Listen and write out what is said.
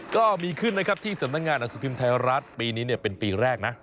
ก็มีขึ้นนะครับที่สำนักงานหนังสือพิมพ์ไทยรัฐปีนี้เป็นปีแรกนะ